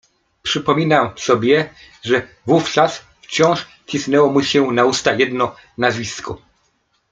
"Przypominam sobie, że wówczas wciąż cisnęło mu się na usta jedno nazwisko."